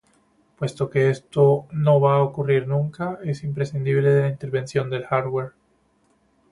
Puesto que esto no va a ocurrir nunca, es imprescindible la intervención del hardware.